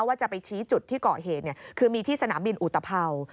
ว่าจะไปชี้จุดที่ก่อเหตุคือมีที่สนามบินอุตภัวร์